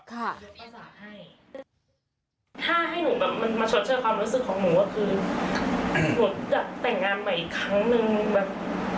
ถ้าให้หนูแบบมันมาชดเชยความรู้สึกของหนูก็คือหนูจะแต่งงานใหม่อีกครั้งนึงแบบ